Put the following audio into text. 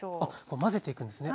混ぜていくんですね。